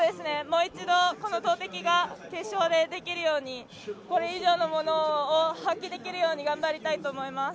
もう一度、この投てきが決勝でできるようにこれ以上のものを発揮できるように頑張りたいと思います。